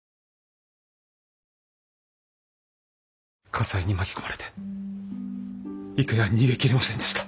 火災に巻き込まれて郁弥は逃げきれませんでした。